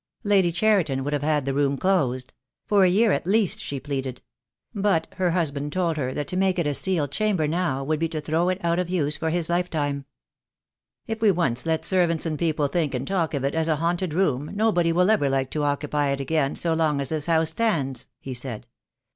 Lady Cheriton would have had the room closed; for a year at least, she pleaded; but her husband told her that to make it a sealed chamber now would be to throw it out of use for his lifetime. "If we once let servants and people think and talk of it as a haunted room nobody will ever like to occupy it again so long as this house stands," he said.